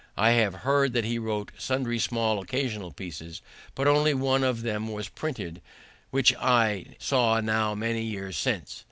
I have heard that he wrote sundry small occasional pieces, but only one of them was printed, which I saw now many years since.